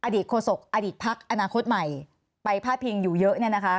โคศกอดีตพักอนาคตใหม่ไปพาดพิงอยู่เยอะเนี่ยนะคะ